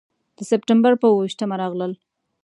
د سپټمبر پر اوه ویشتمه راغلل.